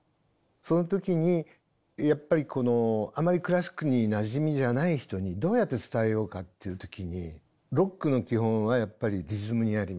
その時にやっぱりこのあまりクラシックになじみじゃない人にどうやって伝えようかっていう時にロックの基本はやっぱりリズムにあります。